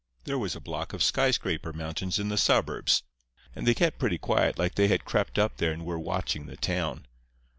There was a block of skyscraper mountains in the suburbs; and they kept pretty quiet, like they had crept up there and were watching the town.